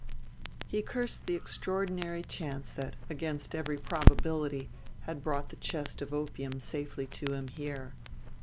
He cursed the extraordinary chance that, against every probability, had brought the chest of opium safely to him here.